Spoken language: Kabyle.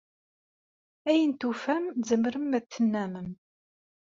Ayen tufam tzemrem ad t-tennammem.